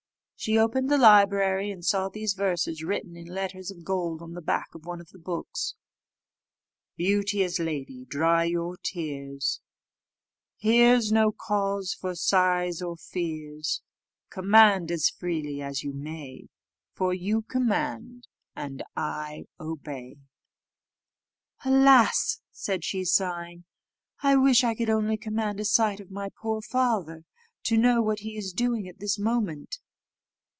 She opened the library and saw these verses written in letters of gold on the back of one of the books: "Beauteous lady, dry your tears, Here's no cause for sighs or fears. Command as freely as you may, For you command and I obey." "Alas!" said she, sighing; "I wish I could only command a sight of my poor father, and to know what he is doing at this moment."